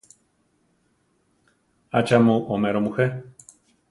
¿ acha mu oméro mujé?